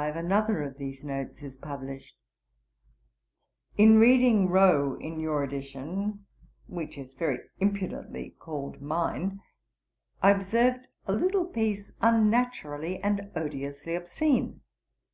10, another of these notes is published: 'In reading Rowe in your edition, which is very impudently called mine, I observed a little piece unnaturally and odiously obscene.